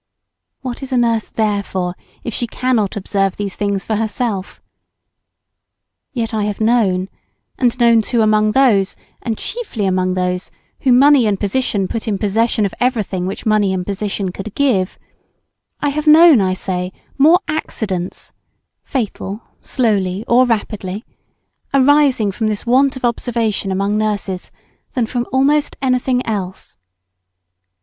What is a nurse there for if she cannot observe these things for herself? Yet I have known and known too among those and chiefly among those whom money and position put in possession of everything which money and position could give I have known, I say, more accidents (fatal, slowly or rapidly) arising from this want of observation among nurses than from almost anything else.